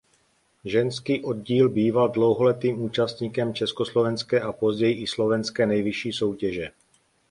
Ženský oddíl býval dlouholetým účastníkem československé a později i slovenské nejvyšší soutěže.